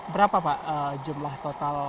berapa pak jumlah total